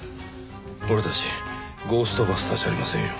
俺たちゴーストバスターじゃありませんよ。